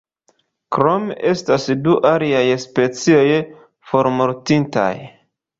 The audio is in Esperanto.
Krome estas du aliaj specioj formortintaj.